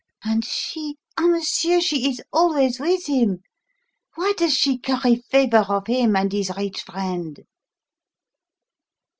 And she ah, monsieur, she is always with him. Why does she curry favour of him and his rich friend?"